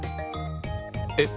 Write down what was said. えっ！